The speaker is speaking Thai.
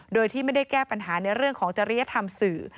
โดยที่ไม่ได้แก้ปัญหาในเรื่องของจริยธรรมสื่อ